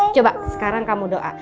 coba sekarang kamu doa